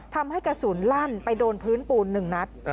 ทำให้กระสุนลั่นไปโดนพื้นปูน๑นัด